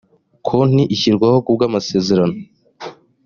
konti ishyirwaho ku bw amasezerano